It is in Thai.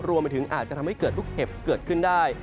รวมไปถึงอาจจะทำให้เกิดลูกเห็บเกิดขึ้นได้